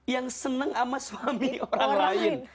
yang senang sama suami orang lain